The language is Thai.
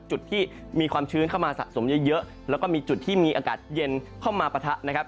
จุดที่มีความชื้นเข้ามาสะสมเยอะแล้วก็มีจุดที่มีอากาศเย็นเข้ามาปะทะนะครับ